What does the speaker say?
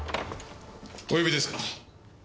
お呼びですか？